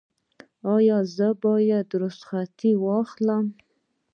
ایا زه باید رخصتي واخلم؟